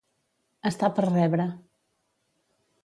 Estar per rebre.